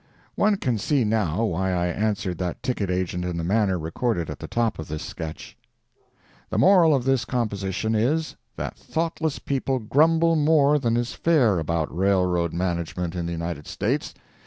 [One can see now why I answered that ticket agent in the manner recorded at the top of this sketch.] The moral of this composition is, that thoughtless people grumble more than is fair about railroad management in the United States.